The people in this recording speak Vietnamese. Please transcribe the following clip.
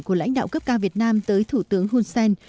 của lãnh đạo cấp ca việt nam tới thủ tướng hunsen